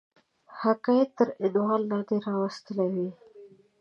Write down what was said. د حکایت تر عنوان لاندي را وستلې وي.